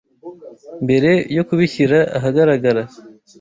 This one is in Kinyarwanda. mbere yo kubishyira ahagaragara